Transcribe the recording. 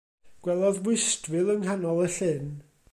Gwelodd fwystfil yn nghanol y llyn.